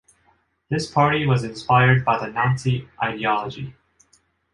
This party was inspired by the Nazi ideology.